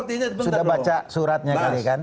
sudah baca suratnya kali kan